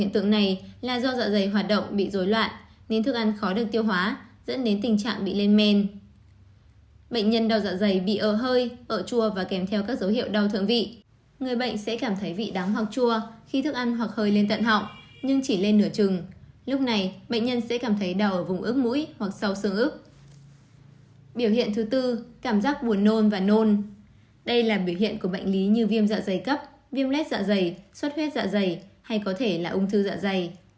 đây là biểu hiện của bệnh lý như viêm dạ dày cấp viêm lét dạ dày suất huyết dạ dày hay có thể là ung thư dạ dày